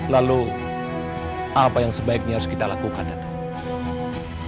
lalu apa yang sebaiknya harus kita lakukan datang